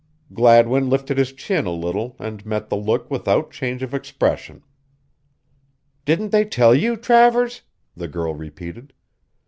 Gladwin lifted his chin a little and met the look without change of expression. "Didn't they tell you, Travers?" the girl repeated.